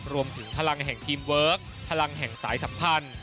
รวมถึงพลังแห่งทีมเวิร์คพลังแห่งสายสัมพันธ์